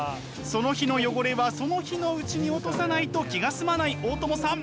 その日の汚れはその日のうちに落とさないと気が済まない大友さん。